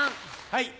はい。